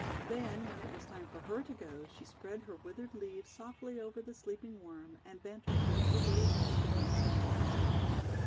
Then, when it was time for her to go, she spread her withered leaves softly over the sleeping Worm, and bent her faithful little head beneath the Winter Snow.